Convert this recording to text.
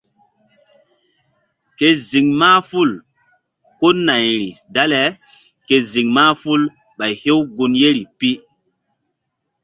Ke ziŋ mahful ko nayri dale ke ziŋ mahful Ɓay hew gun yeri pi.